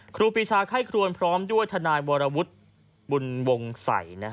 ครูปีชาไข้ครวนพร้อมด้วยทนายวรวุฒิบุญวงศัย